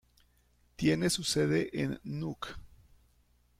Tiene su sede en Nuuk.